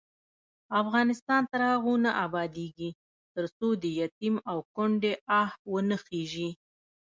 افغانستان تر هغو نه ابادیږي، ترڅو د یتیم او کونډې آه وانه خیژي.